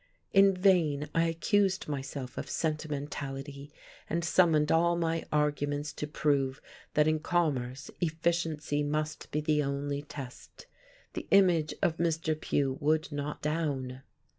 In vain I accused myself of sentimentality, and summoned all my arguments to prove that in commerce efficiency must be the only test. The image of Mr. Pugh would not down.